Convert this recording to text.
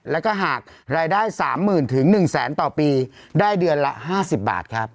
และหากรายได้๓๐๐๐๐๑๐๐๐๐๐บาทต่อปีได้เดือนละ๕๐บาทครับ